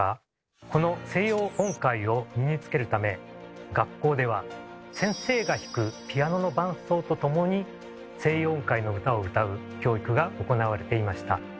この西洋音階を身につけるため学校では先生が弾くピアノの伴奏とともに西洋音階の歌を歌う教育が行われていました。